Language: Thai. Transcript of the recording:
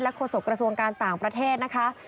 โฆษกระทรวงการต่างประเทศนะคะ